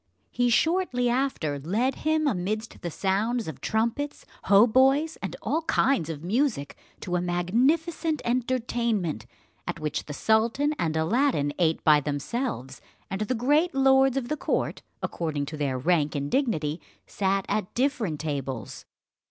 He shortly after led him amidst the sounds of trumpets, hautboys, and all kinds of music, to a magnificent entertainment, at which the sultan and Aladdin ate by themselves, and the great lords of the court, according to their rank and dignity, sat at different tables.